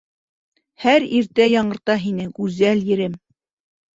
Һәр иртә яңырта һине, гүзәл ерем!